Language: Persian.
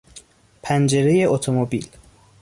پنجرهی اتومبیل